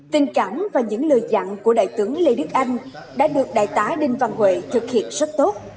tình cảm và những lời dặn của đại tướng lê đức anh đã được đại tá đinh văn huệ thực hiện rất tốt